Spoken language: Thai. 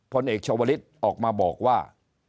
พลเอกชาวลิศออกมาบอกว่า